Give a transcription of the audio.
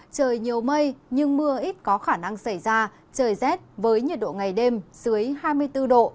trời nhiều mây nhưng mưa ít có khả năng xảy ra trời rét với nhiệt độ ngày đêm dưới hai mươi bốn độ